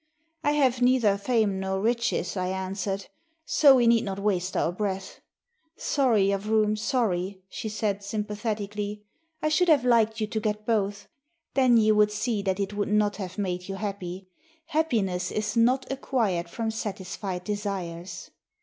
"I have neither fame nor riches," I answered, "so we need not waste our breath." "Sorry, yavroum, sorry," she said sympathetically. "I should have liked you to get both; then you would see that it would not have made you happy. Happiness is not acquired from satisfied desires.